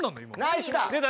ナイスだ！